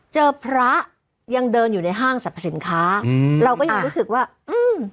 เจอพระยังเดินอยู่ในห้างสรรพสินค้าอืมเราก็ยังรู้สึกว่าอืม